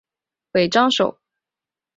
尾张守。